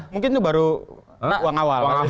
mungkin itu baru uang awal